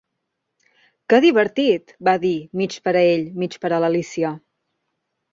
"Què divertit!" va dir, mig per a ell, mig per a l'Alícia.